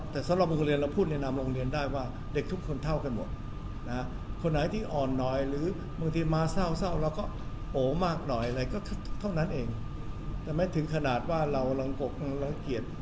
แต่สำหรับโรงเรียนเราพูดในนามโรงเรียนได้ว่าเด็กทุกคนเท่ากันหมดนะคนไหนที่อ่อนหน่อยหรือบางทีมาเศร้าเราก็โอ้มากหน่อยอะไรก็เท่านั้นเองแต่ไม่ถึงขนาดว่าเรารังกกรังเกียจ